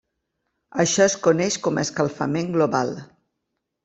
Això es coneix com a escalfament global.